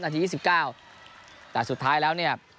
นาทียี่สิบเก้าแต่สุดท้ายแล้วเนี่ย